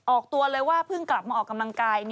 ออกตัวเลยว่าเพิ่งกลับมาออกกำลังกาย